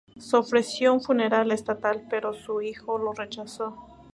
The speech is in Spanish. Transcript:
Se ofreció un funeral estatal pero su hijo lo rechazó.